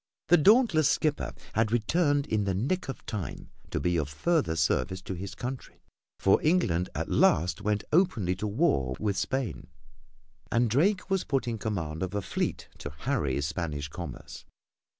The dauntless skipper had returned in the nick of time to be of further service to his country, for England at last went openly to war with Spain, and Drake was put in command of a fleet to harry Spanish commerce.